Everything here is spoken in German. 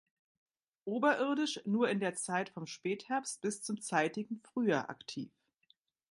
Oberirdisch nur in der Zeit vom Spätherbst bis zum zeitigen Frühjahr aktiv.